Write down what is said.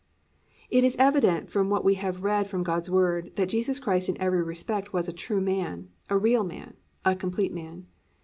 It is evident from what we have read from God's Word, that Jesus Christ in every respect was a true man, a real man, a complete man.